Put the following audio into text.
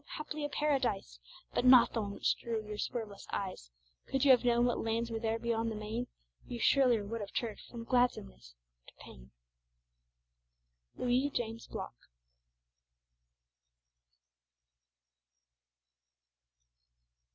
haply a paradise But not the one which drew your swerveless eyes; Could you have known what lands were there beyond the main, You surelier would have turned to gladsomeness from pain. LOUIS JAMES BLOCK.